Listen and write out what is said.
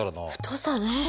太さねえ。